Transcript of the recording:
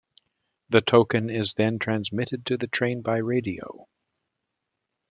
The token is then transmitted to the train by radio.